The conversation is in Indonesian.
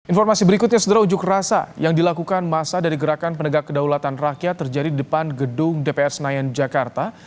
informasi berikutnya setelah ujuk rasa yang dilakukan masa dari gerakan penegak kedaulatan rakyat terjadi di depan gedung dpr senayan jakarta